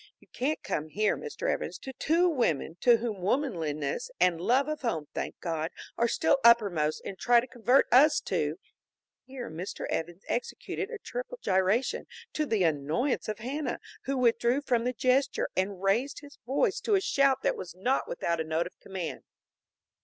You can't come here, Mr. Evans, to two women to whom womanliness and love of home, thank God, are still uppermost and try to convert us to " Here Mr. Evans executed a triple gyration, to the annoyance of Hanna, who withdrew from the gesture, and raised his voice to a shout that was not without a note of command.